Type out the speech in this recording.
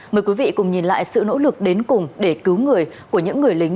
mời quý vị cùng nhìn lại sự nỗ lực đến cùng để cứu người của những người lính